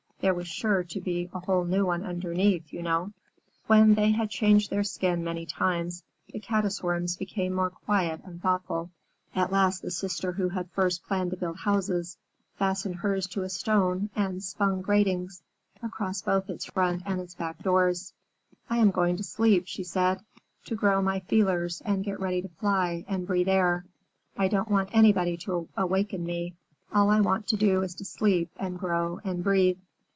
There was sure to be a whole new one underneath, you know. When they had changed their skin many times, the Caddis Worms became more quiet and thoughtful. At last the sister who had first planned to build houses, fastened hers to a stone, and spun gratings across both its front and its back doors. "I am going to sleep," she said, "to grow my feelers and get ready to fly and breathe air. I don't want anybody to awaken me. All I want to do is to sleep and grow and breathe.